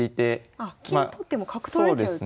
あ金取っても角取られちゃうと。